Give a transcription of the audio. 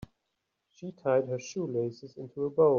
She tied her shoelaces into a bow.